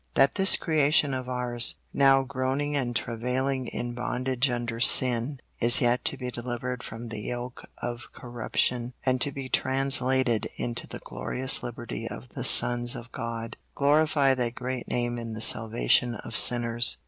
That this creation of ours, now groaning and travailing in bondage under sin, is yet to be delivered from the yoke of corruption, and to be translated into the glorious liberty of the sons of God. Glorify Thy great name in the salvation of sinners!